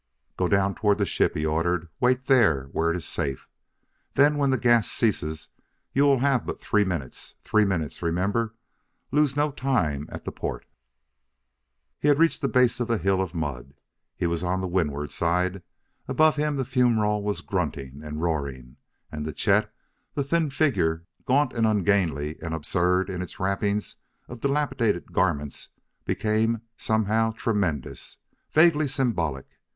"Go down toward the ship," he ordered. "Wait where it is safe. Then when the gas ceases you will have but three minutes. Three minutes! remember! Lose no time at the port!" He had reached the base of the hill of mud. He was on the windward side; above him the fumerole was grunting and roaring. And, to Chet, the thin figure, gaunt and ungainly and absurd in its wrappings of dilapidated garments, became somehow tremendous, vaguely symbolic.